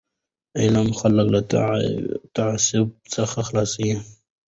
علم خلک له تعصب څخه خلاصوي.